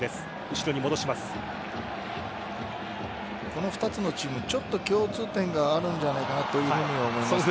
この２つのチーム共通点があるんじゃないかなと思います。